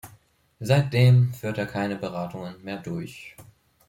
Seitdem führt er keine Beratungen mehr durch.